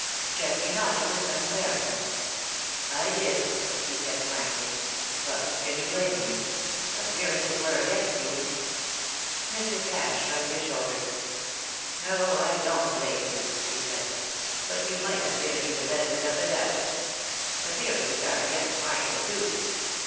Geoffrey nodded with some embarrassment. "I did," he said, frankly. "But can you blame me? Appearances were against you." Mr. Cass shrugged his shoulders. "No, I don't blame you," he said. "But you might have given me the benefit of the doubt. Appearances are against Marshall, too.